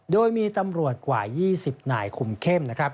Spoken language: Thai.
โดยมีตำรวจกว่า๒๐หน่ายคุมเข้ม